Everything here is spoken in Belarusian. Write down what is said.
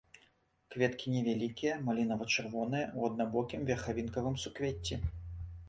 Кветкі невялікія, малінава-чырвоныя, у аднабокім верхавінкавым суквецці.